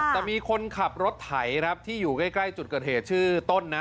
แต่มีคนขับรถไถครับที่อยู่ใกล้จุดเกิดเหตุชื่อต้นนะ